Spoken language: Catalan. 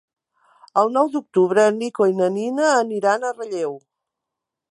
El nou d'octubre en Nico i na Nina aniran a Relleu.